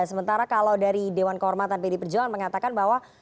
sementara kalau dari dewan kehormatan pdi perjuangan mengatakan bahwa